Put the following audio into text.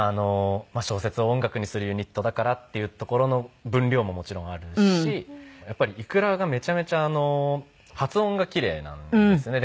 小説を音楽にするユニットだからっていうところの分量ももちろんあるしやっぱりｉｋｕｒａがめちゃめちゃ発音が奇麗なんですね。